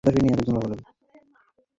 শোনো, আমি দুঃখিত!